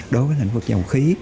đối với lĩnh vực dầu khí